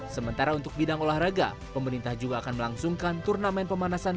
sementara untuk bidang olahraga pemerintah juga akan melangsungkan turnamen pemanasan